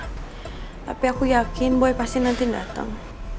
tapi aku yakin boy pasti nanti datang